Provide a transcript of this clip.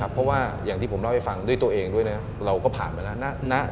เพราะว่าอย่างที่ผมเล่าให้ฟังด้วยตัวเองด้วยนะเราก็ผ่านไปแล้ว